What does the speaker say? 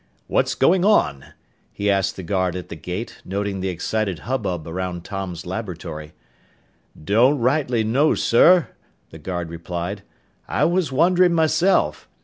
"What's going on?" he asked the guard at the gate, noting the excited hubbub around Tom's laboratory. "Don't rightly know, sir," the guard replied. "I was wondering myself.